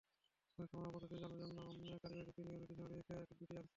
পরীক্ষামূলকভাবে পদ্ধতিটি চালুর জন্য আন্তসংযোগের কারিগরি দিকটি নিয়েও নির্দেশনা দিয়েছে বিটিআরসি।